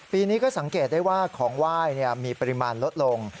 ปีนี้ก็สังเกตได้ว่าของไหว้มีปริมาณลดลง